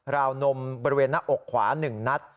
วนมบริเวณหน้าอกขวา๑นัด